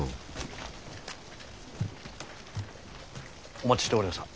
お待ちしておりました。